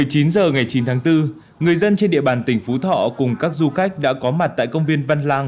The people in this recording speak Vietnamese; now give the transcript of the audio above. một mươi chín h ngày chín tháng bốn người dân trên địa bàn tỉnh phú thọ cùng các du khách đã có mặt tại công viên văn lang